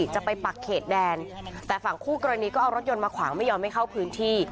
จะไปปักเขตแดนแต่ฝั่งคู่กรณีก็เอารถยนต์มาขวางไม่ยอมให้เข้าพื้นที่